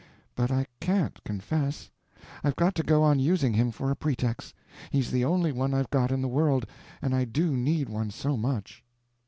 But I can't confess; I've got to go on using him for a pretext, he's the only one I've got in the world, and I do need one so much."